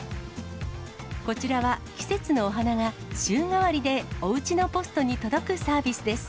こちらは、季節のお花が週替わりでおうちのポストに届くサービスです。